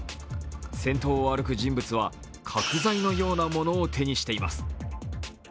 先頭を歩く人物は角材のようなものを手にしてます。